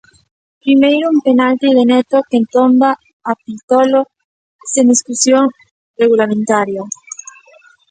Primeiro un penalti de Neto quen tomba a Vitolo sen discusión regulamentaria.